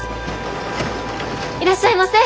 いらっしゃいませ。